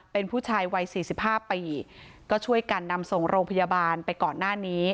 เป็นผู้ชายวัย๔๕ปีก็ช่วยกันนำส่งโรงพยาบาลไปก่อนหน้านี้